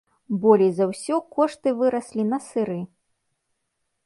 Болей за ўсё кошты выраслі на сыры.